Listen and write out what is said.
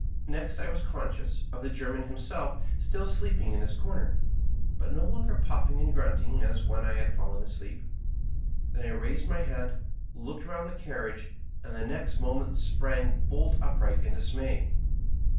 Next I was conscious of the German himself still sleeping in his comer, but no longer puffing and grunting as when I had fallen asleep. Then I raised my head, looked round the carriage, and the next moment sprang bolt upright in dismay.